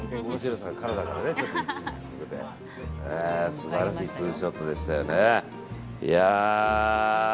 素晴らしいツーショットでしたよね。